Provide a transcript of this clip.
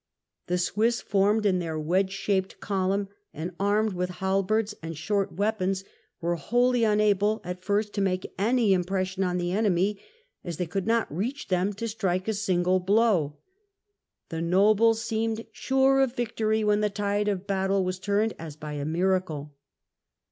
The Swiss, formed in their wedge shaped column, and armed with halberds and short weapons, were wholly unable at first to make any impression on the enemy, as they could not reach them to strike a single blow. The nobles seemed sure of victory when the tide of battle was turned as by a miracle.